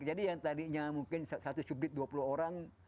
jadi yang tadinya mungkin satu subdit dua puluh orang